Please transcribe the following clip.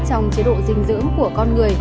trong chế độ dinh dưỡng của con người